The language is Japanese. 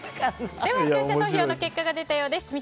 では視聴者投票の結果が出たようです。